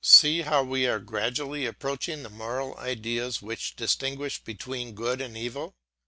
See how we are gradually approaching the moral ideas which distinguish between good and evil.